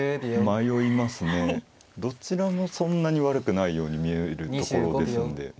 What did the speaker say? どちらもそんなに悪くないように見えるところですんで。